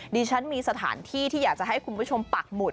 ดิฉันมีสถานที่ที่อยากจะให้คุณผู้ชมปักหมุด